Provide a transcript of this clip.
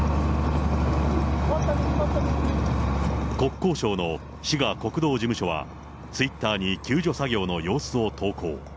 国交省の滋賀国道事務所は、ツイッターに救助作業の様子を投稿。